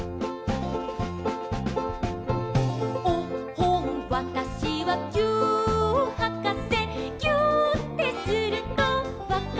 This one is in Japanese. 「おっほんわたしはぎゅーっはかせ」「ぎゅーってするとわかるのよ」